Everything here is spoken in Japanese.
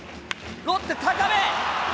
ロッテ、高部。